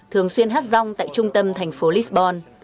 thường xuyên hát rong tại trung tâm thành phố lisbon